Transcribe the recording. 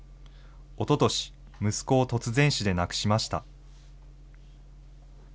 おととし、息子を突然死で亡くしました。